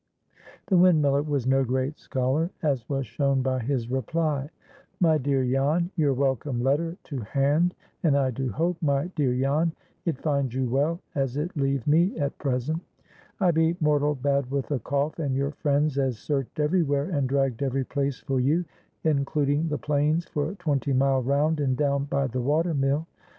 The windmiller was no great scholar, as was shown by his reply:— "MY DEAR JAN, "Your welcome letter to hand, and I do hope, my dear Jan, It finds you well as it leave me at present. I be mortal bad with a cough, and your friends as searched everywhere, and dragged every place for you, encluding the plains for twenty mile round and down by the watermill.